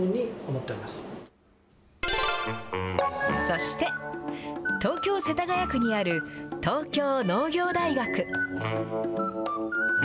そして、東京・世田谷区にある東京農業大学。